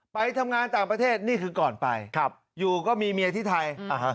ไปทำงานต่างประเทศนี่คือก่อนไปอยู่ก็มีเมียที่ไทย